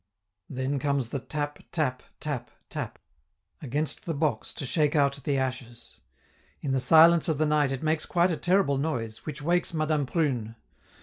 Then comes tap, tap, tap, tap, against the box to shake out the ashes. In the silence of the night it makes quite a terrible noise, which wakes Madame Prune.